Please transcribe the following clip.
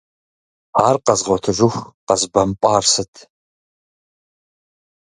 Ар къэзгъуэтыжыху къэзбэмпӏар сыт?!